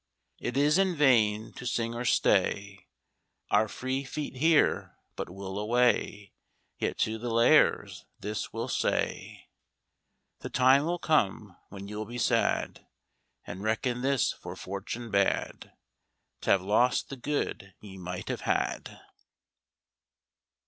It is in vain to sing, or stay Our free feet here, but we'll away: Yet to the Lares this we'll say: 'The time will come when you'll be sad, 'And reckon this for fortune bad, 'T'ave lost the good ye might have had.'